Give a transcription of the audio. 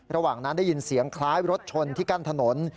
ระหว่างนั้นได้ยินเสียงคล้ายรถชนที่กั้นถนน